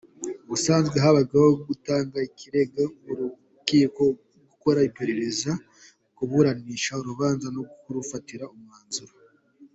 Ubusanzwe habagaho gutanga ikirego mu rukiko, gukora iperereza, kuburanisha urubanza no kurufataho umwanzuro.